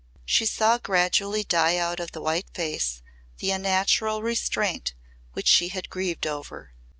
She saw gradually die out of the white face the unnatural restraint which she had grieved over.